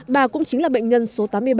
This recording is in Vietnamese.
bà cũng chính là bệnh nhân số tám mươi ba